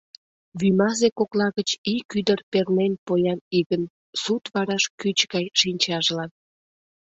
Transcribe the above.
Вӱмазе кокла гыч ик ӱдыр пернен поян игын сут вараш кӱч гай шинчажлан.